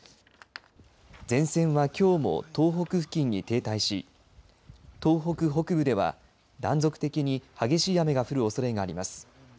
前線はきょうも東北付近に停滞し東北北部では断続的に激しい雨が降るおそれがあります。